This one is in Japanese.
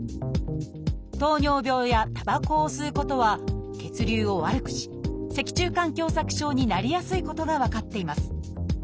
「糖尿病」や「たばこを吸うこと」は血流を悪くし脊柱管狭窄症になりやすいことが分かっています。